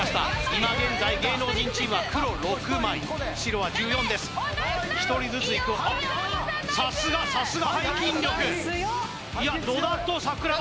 今現在芸能人チームは黒６枚白は１４です１人ずついくさすがさすが背筋力いや野田と桜庭